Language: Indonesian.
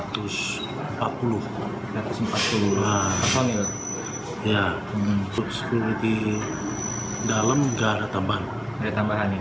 nah untuk sekuriti dalam nggak ada tambahan